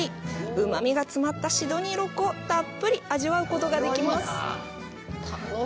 うまみが詰まったシドニーロックをたっぷり味わうことができます。